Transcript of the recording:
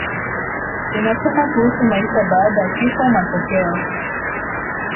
inasema kuhusu maisha baada ya kifo Matokeo